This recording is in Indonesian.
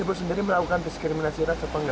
ibu sendiri melakukan diskriminasi ras atau enggak